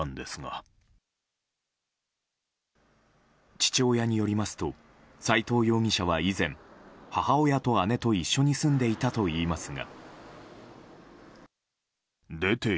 父親によりますと斎藤容疑者は以前、母親と姉と一緒に住んでいたといいますが。